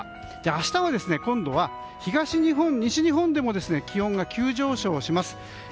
明日も今度は東日本、西日本でも気温が急上昇します。